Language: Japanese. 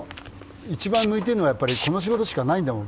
一番向いているのはこの仕事しかないんだもん。